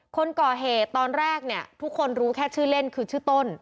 คนก่อเหตุตอนแรกเนี่ยทุกคนรู้แค่ชื่อเล่นคือชื่อต้น